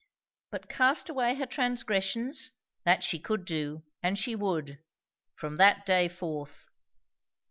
But cast away her transgressions? that she could do, and she would. From that day forth.